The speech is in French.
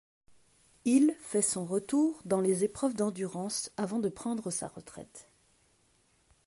Hill fait son retour dans les épreuves d'endurance avant de prendre sa retraite.